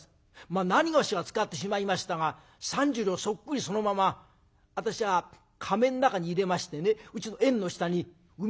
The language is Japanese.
まあなにがしは使ってしまいましたが３０両そっくりそのまま私はかめの中に入れましてねうちの縁の下に埋めてあるんです。